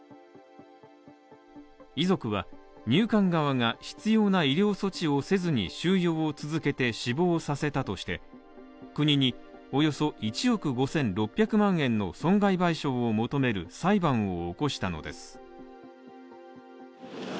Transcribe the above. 遺族は、入管側が必要な医療措置をせずに収容を続けて死亡させたとして、国におよそ１億５６００万円の損害賠償を求める裁判を起こしたのです。